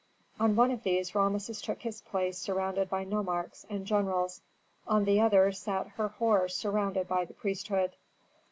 On one of these Rameses took his place surrounded by nomarchs and generals, on the other sat Herhor surrounded by the priesthood.